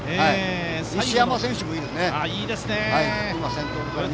いいですね。